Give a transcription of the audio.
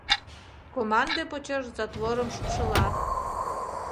— Команде почеш затворым шупшылат.